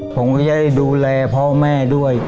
ผมก็จะได้ดูแลพ่อแม่ด้วย